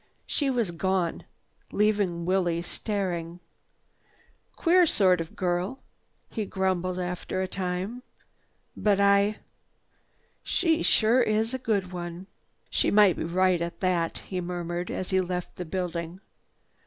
She was gone, leaving Willie staring. "Queer sort of girl!" he grumbled after a time. "But I—she sure is a good one! "She might be right at that," he murmured as he left the building.